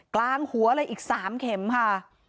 กลางหัวเลยอีก๓เข็มค่ะ